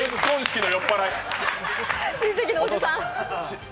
親戚のおじさん。